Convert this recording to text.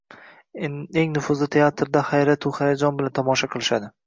Eng nufuzli teatrlarda hayratu-hayajon bilan tomosha qilishadi